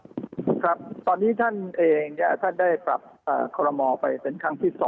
พฤษฎียศครับตอนนี้ท่านเองท่านได้ปรับคอลโลมอล์ไปเป็นครั้งที่๒